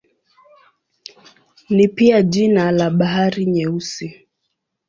Ni pia jina la Bahari Nyeusi.